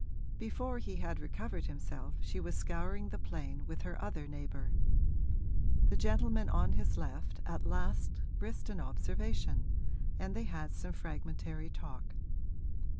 Before he had recovered himself she was scouring the plain with her other neighbour. The gentleman on his left at last risked an observation, and they had some fragmentary talk.